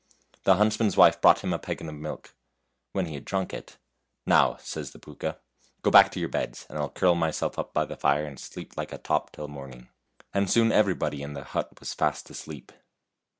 The huntsman's wife brought him a peggin of milk. When he had drunk it, " Now," says the Pooka, " go back to your beds, and I'll curl my self up by the fire and sleep like a top till morn ing." And soon everybody in the hut was fast asleep.